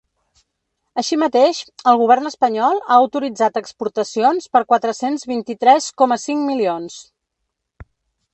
Així mateix, el govern espanyol ha autoritzat exportacions per quatre-cents vint-i-tres coma cinc milions.